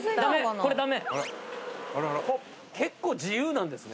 これダメ結構自由なんですね